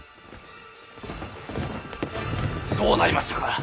どうなりましたか？